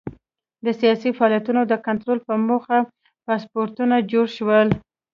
د سیاسي فعالیتونو د کنټرول په موخه پاسپورټونه جوړ شول.